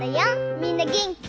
みんなげんき？